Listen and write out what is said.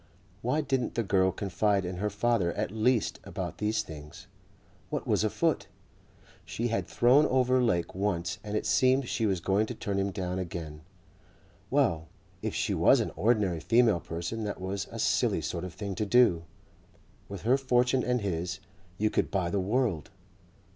Why didn't the girl confide in her father at least about these things? What was afoot? She had thrown over Lake once and it seemed she was going to turn him down again. Well, if she was an ordinary female person that was a silly sort of thing to do. With her fortune and his you could buy the world.